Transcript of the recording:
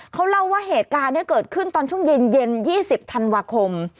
เขาเล่าว่าเหตุการณ์นี้เกิดขึ้นตอนช่วงเย็น๒๐ธันวาคม